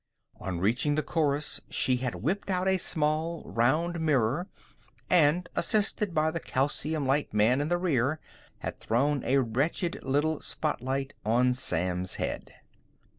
On reaching the chorus she had whipped out a small, round mirror and, assisted by the calcium light man in the rear, had thrown a wretched little spotlight on Sam's head.